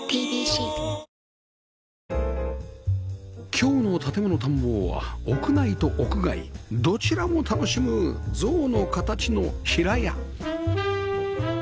今日の『建もの探訪』は屋内と屋外どちらも楽しむ象の形の平屋